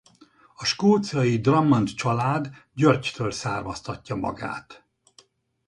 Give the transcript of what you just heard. A skóciai Drummond család Györgytől származtatja magát.